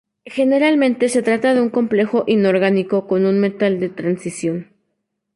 Generalmente se trata de un complejo inorgánico con un metal de transición.